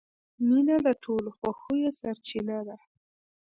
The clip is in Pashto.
• مینه د ټولو خوښیو سرچینه ده.